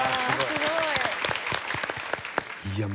すごい。